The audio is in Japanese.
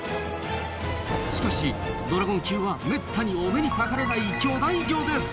しかしドラゴン級はめったにお目にかかれない巨大魚です。